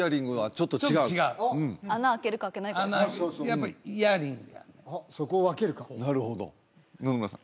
ちょっと違う穴あけるかあけないかやっぱイヤリングやねんそこを分けるかなるほど野々村さん